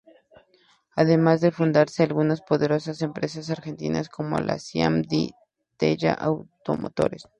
Además de fundarse algunas poderosas empresas argentinas, como la Siam Di Tella Automotores.